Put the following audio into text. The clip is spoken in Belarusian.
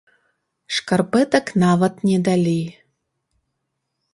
Шкарпэтак нават не далі.